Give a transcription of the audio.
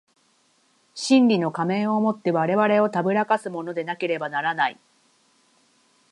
真理の仮面を以て我々を誑かすものでなければならない。